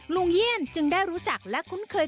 เยี่ยนจึงได้รู้จักและคุ้นเคย